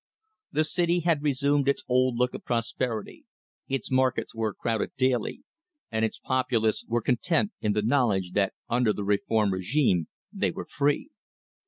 The city had resumed its old look of prosperity, its markets were crowded daily, and its populace were content in the knowledge that under the reformed régime they were free.